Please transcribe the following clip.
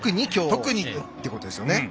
特にってことですよね。